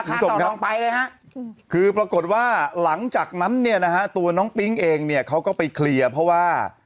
คุณผู้ชมครับคือปรากฏว่าหลังจากนั้นเนี่ยนะฮะตัวน้องปิ๊งเองเนี่ยเขาก็ไปเคลียร์เพราะว่า